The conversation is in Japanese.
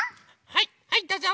はいはいどうぞ。